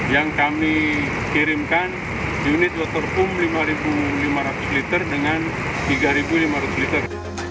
yang kami kirimkan unit waterfum lima lima ratus liter dengan tiga lima ratus liter